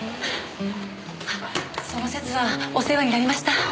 その節はお世話になりました。